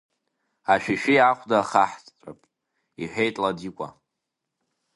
Ашәишәи ахәда хаҳҵәап, – иҳәеит Ладикәа.